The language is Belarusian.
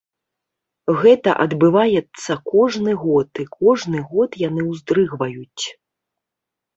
Гэта адбываецца кожны год, і кожны год яны ўздрыгваюць.